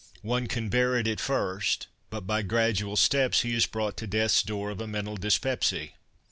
One can bear it at first, but by gradual steps he is brought to death's door of a mental dyspepsy.'